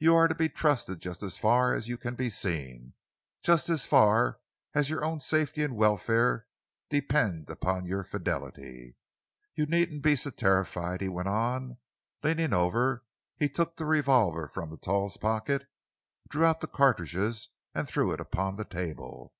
"You are to be trusted just as far as you can be seen, just as far as your own safety and welfare depend upon your fidelity. You needn't be so terrified," he went on as, leaning over, he took the revolver from Rentoul's pocket, drew out the cartridges and threw it upon the table.